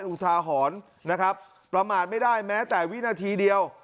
อุทาหรณ์นะครับประมาทไม่ได้แม้แต่วินาทีเดียว